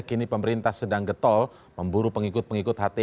kini pemerintah sedang getol memburu pengikut pengikut hti